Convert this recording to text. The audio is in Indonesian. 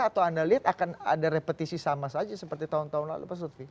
atau anda lihat akan ada repetisi sama saja seperti tahun tahun lalu pak sutwi